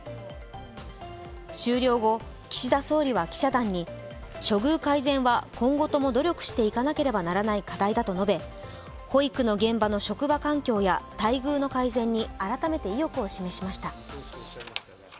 終了後、岸田総理は記者団に処遇改善は今後とも努力していかなければならない課題だと述べ保育の現場の職場環境や待遇の改善に改めて意欲を示しました。